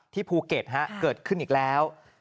ภูเก็ตเกิดขึ้นอีกแล้ว